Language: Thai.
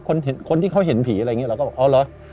คนที่เขาเห็นผีอะไรอย่างนี้เราก็บอกอ๋อเหรอ